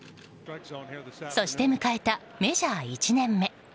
そして迎えた、メジャー１年目。